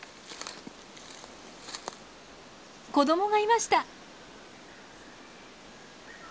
子どもがいました。